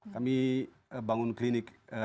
kami bangun tujuh klinik